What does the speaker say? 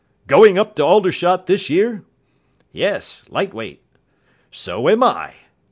"Going up to Aldershot this year?" "Yes. Light Weight." "So am I."